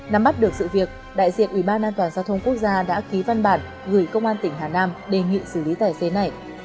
nắm bắt được sự việc đại diện ubnd quốc gia đã ký văn bản gửi công an tỉnh hà nam đề nghị xử lý tài xế này